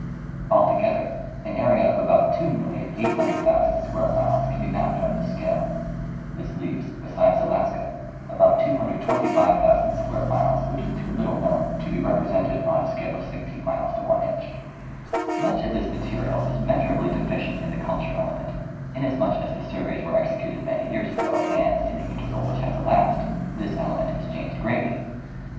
Altogether, an area of about 2,800,000 square miles can be majjped on this scale. This leaves, besides Alaska, about 225,000 square miles which is too little known to be represented on a scale of 16 miles to one inch. Much of this material is measurably deficient in the culture element, inasmuch as the surveys were executed many years ago and, in the interval Avhich has elapsed, this element has changed greatly.